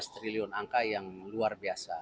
lima belas triliun angka yang luar biasa